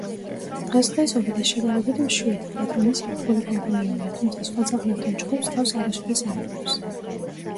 დღესდღეობით ეს შედარებით მშვიდი, პატრონის ერთგული კომპანიონია, თუმცა სხვა ძაღლებთან ჩხუბს თავს არასოდეს არიდებს.